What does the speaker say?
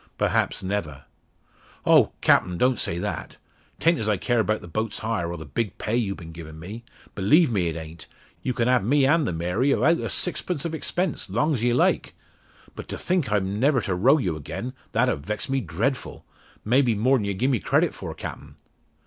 "Perhaps never." "Oh! Captain; don't say that. 'Tan't as I care 'bout the boat's hire, or the big pay you've been givin' me. Believe me it ain't. Ye can have me an' the Mary 'ithout a sixpence o' expense long's ye like. But to think I'm niver to row you again, that 'ud vex me dreadful maybe more'n ye gi'e me credit for, Captain."